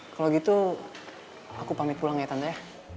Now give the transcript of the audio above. kalo gitu aku pamit pulang ya tante